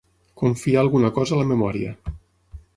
Confiar alguna cosa a la memòria.